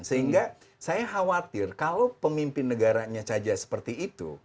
sehingga saya khawatir kalau pemimpin negaranya saja seperti itu